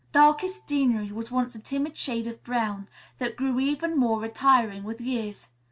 Darkest Deanery was once a timid shade of brown that grew even more retiring with years.